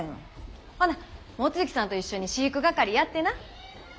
ほな望月さんと一緒に飼育係やってな。